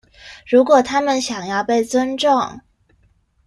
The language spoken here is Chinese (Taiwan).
如果他們想要被尊重